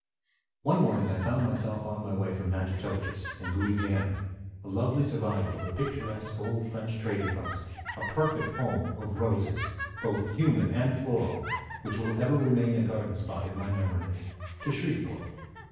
One morning I found myself on my way from Natchitoches, in Louisiana, a lovely survival of a picturesque old French trading post, a perfect home of roses, both human and floral, which will ever remain a garden spot in my memory, to Shreveport.